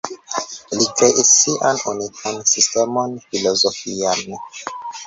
Li kreis sian unikan sistemon filozofian.